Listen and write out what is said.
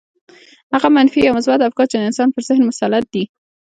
هغه منفي يا مثبت افکار چې د انسان پر ذهن مسلط دي.